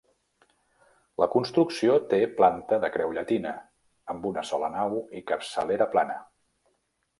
La construcció té planta de creu llatina amb una sola nau i capçalera plana.